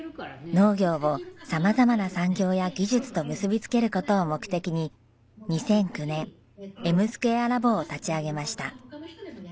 農業を様々な産業や技術と結びつける事を目的に２００９年エムスクエア・ラボを立ち上げました。